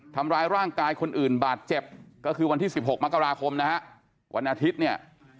ทำร้ายร่างกายคนอื่นบาดเจ็บก็คือวันที่๑๖มกราคมนะฮะวันอาทิตย์เนี่ย